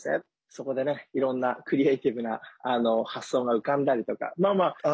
そこでいろんなクリエーティブな発想が浮かんだりとか。